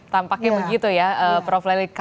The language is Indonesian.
tampaknya begitu ya prof leli